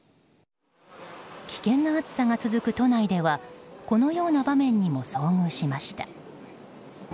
危険な暑さが続く都内ではこのような場面にも遭遇しました。